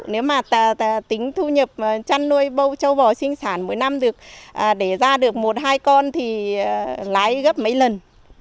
nếu mà tính thu nhập chăn nuôi châu bò sinh sản mỗi năm được để ra được một hai con thì lái gấp mấy lần